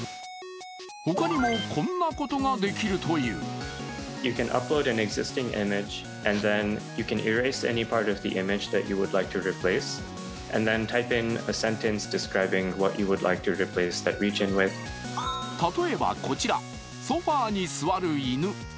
他にも、こんなことができるという例えばこちら、ソファーに座る犬